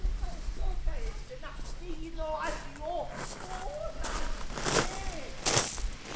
そう返してな右の足をこう出して「伊勢の國に」。